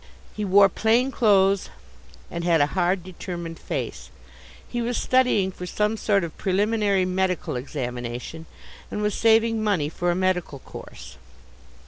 He wore plain clothes and had a hard, determined face. He was studying for some sort of preliminary medical examination, and was saving money for a medical course.